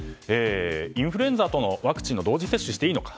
インフルエンザワクチンの同時接種をしていいのか。